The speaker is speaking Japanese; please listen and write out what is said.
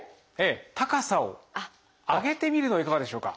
高さを上げてみるのはいかがでしょうか。